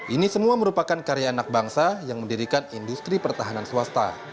ini semua merupakan karya anak bangsa yang mendirikan industri pertahanan swasta